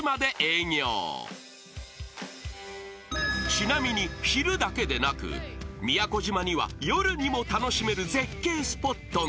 ［ちなみに昼だけでなく宮古島には夜にも楽しめる絶景スポットが。